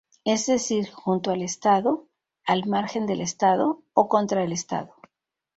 Es decir, "junto al Estado", "al margen del Estado" o "contra el Estado".